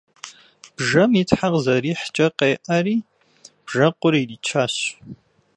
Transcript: Бжэм и тхьэ къызэрихькӏэ къеӏэри бжэкъур иричащ.